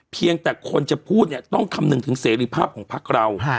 เพียงแต่คนจะพูดเนี่ยต้องคำนึงถึงเสรีภาพของพักเรา